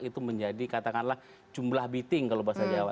itu menjadi katakanlah jumlah biting kalau bahasa jawa